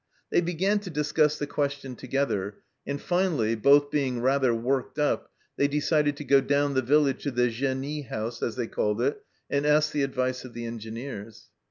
They began to discuss the question together, and finally, both being rather worked up, they decided to go down the village to the genie house, as they called it, and ask the advice of the Engineers.